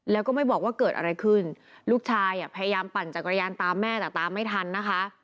แล้วก็ไม่บอกว่าเกิดอะไรขึ้นลูกชายอ่ะพยายามปั่นจักรยานตามแม่แต่ตามไม่ทันนะคะ